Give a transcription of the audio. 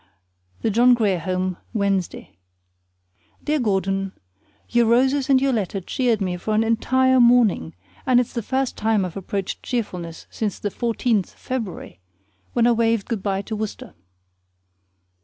THE JOHN GRIER HOME, Wednesday. Dear Gordon: Your roses and your letter cheered me for an entire morning, and it's the first time I've approached cheerfulness since the fourteenth of February, when I waved good by to Worcester.